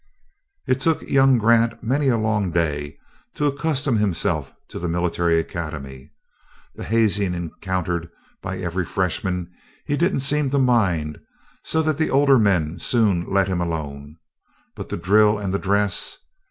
It took young Grant many a long day to accustom himself to the Military Academy. The hazing encountered by every Freshman he didn't seem to mind, so the older men soon let him alone. But the drill and the dress!